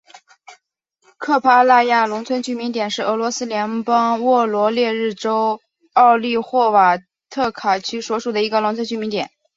科帕纳亚农村居民点是俄罗斯联邦沃罗涅日州奥利霍瓦特卡区所属的一个农村居民点。